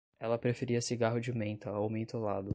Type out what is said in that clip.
Ela preferia cigarro de menta ou mentolado